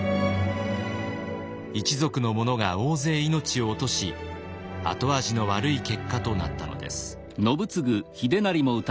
一族の者が大勢命を落とし後味の悪い結果となったのです。